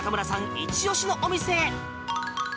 イチ押しのお店へ！